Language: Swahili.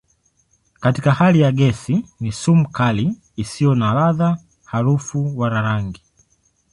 Katika hali ya gesi ni sumu kali isiyo na ladha, harufu wala rangi.